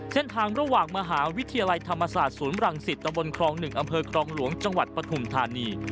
เส้นทางระหว่างมหาวิทยาลัยธรรมศาสตร์ศูนย์รังสิตตะบนครอง๑อำเภอครองหลวงจังหวัดปฐุมธานี